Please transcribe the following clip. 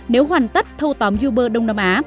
nếu hoàn tất thâu tóm uber đông nam á